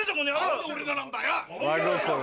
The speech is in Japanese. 何で俺らなんだよ！